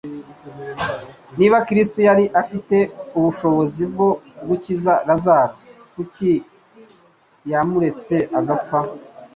Niba Kristo yari afite ubushobozi bwo gukiza Lazaro kuki yamuretse agapfa?